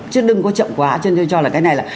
chứ đừng có chậm quá cho nên tôi cho là cái này là